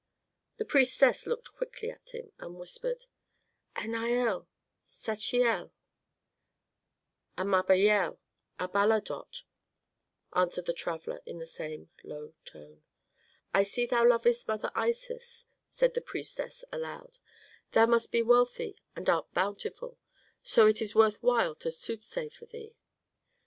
The priestess looked quickly at him and whispered, "Anael, Sachiel " "Amabiel, Abalidot," answered the traveller, in the same low tone. "I see that thou lovest Mother Isis," said the priestess, aloud. "Thou must be wealthy and art bountiful, so it is worth while to soothsay for thee."